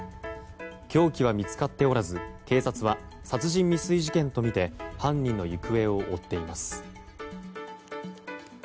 凶器は見つかっておらず警察は殺人未遂事件とみて犯人の行方を追っています。